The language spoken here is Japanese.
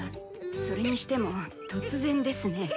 それにしても突然ですね。